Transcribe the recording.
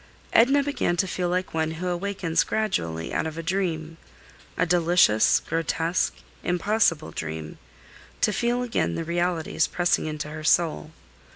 Edna began to feel like one who awakens gradually out of a dream, a delicious, grotesque, impossible dream, to feel again the realities pressing into her soul.